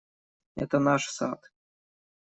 Это наш сад.